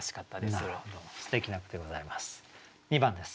すてきな句でございます。